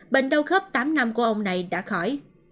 bệnh đau khớp tám năm của ông này đã khỏi